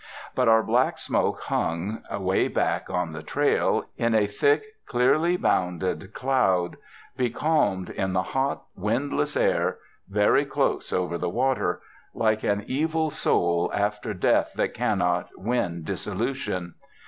But our black smoke hung, away back on the trail, in a thick, clearly bounded cloud, becalmed in the hot, windless air, very close over the water, like an evil soul after death that cannot win dissolution.